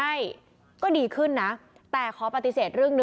ทั้งหมดนี้คือลูกศิษย์ของพ่อปู่เรศรีนะคะ